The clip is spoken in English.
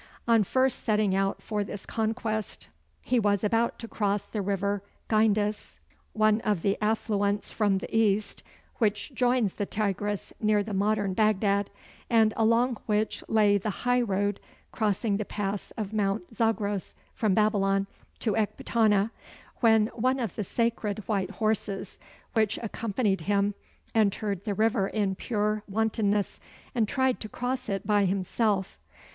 On first setting out for this conquest, he was about to cross the river Gyndes (one of the affluents from the east which joins the Tigris near the modern Bagdad, and along which lay the high road crossing the pass of Mount Zagros from Babylon to Ekbatana) when one of the sacred white horses, which accompanied him, entered the river in pure wantonness and tried to cross it by himself.